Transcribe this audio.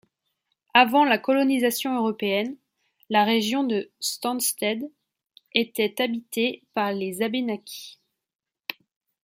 Avant la colonisation européenne, la région de Stanstead était habité par les Abénaquis.